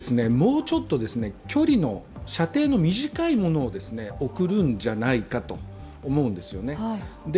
恐らく、もうちょっと射程の短いものを送るんじゃないかと思うんですよね。